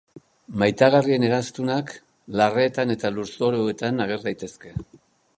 Maitagarrien eraztunak larreetan eta lurzoruetan ager daitezke.